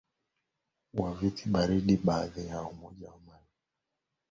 wa Vita Baridi dhidi ya Umoja wa Kisovyeti ulimsaidia katika kuteuliwa hukoBaada ya